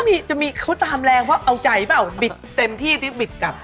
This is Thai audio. เฮ้ยจะมีเค้าตามแรงเอาใจเปล่าบิดเต็มที่บิดกลับ